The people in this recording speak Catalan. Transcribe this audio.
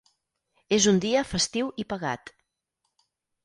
És un dia festiu i pagat.